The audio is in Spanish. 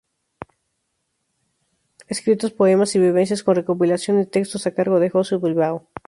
Escritos, poemas y vivencias", con recopilación y textos a cargo de Josu Bilbao.